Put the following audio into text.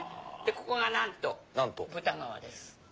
ここがなんと豚革です。